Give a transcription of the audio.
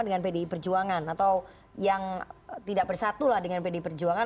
dengan pdi perjuangan atau yang tidak bersatu lah dengan pdi perjuangan